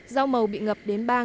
rau màu bị ngập đến ba mét